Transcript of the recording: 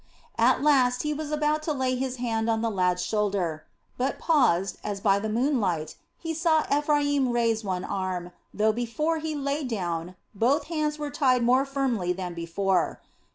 At last he was about to lay his hand on the lad's shoulder, but paused as by the moonlight he saw Ephraim raise one arm though, before he lay down, both hands were tied more firmly than before.